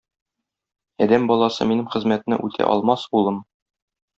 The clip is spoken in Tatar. Адәм баласы минем хезмәтне үтә алмас, улым.